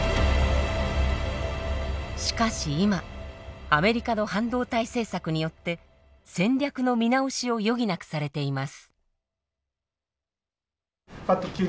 しかし今アメリカの半導体政策によって戦略の見直しを余儀なくされています。